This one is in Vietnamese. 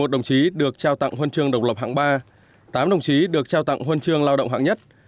một mươi một đồng chí được trao tặng huân trường độc lập hạng ba tám đồng chí được trao tặng huân trường lao động hạng nhất